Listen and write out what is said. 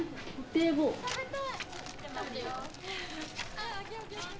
食べたい！